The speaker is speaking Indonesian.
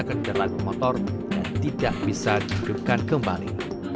kendaraan bermotor dan tidak bisa dihidupkan kembali